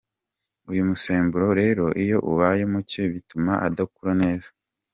Uyu musemburo rero iyo ubaye muke bituma adakura neza.